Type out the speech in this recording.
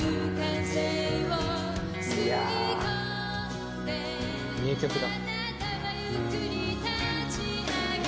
いやー、名曲だ。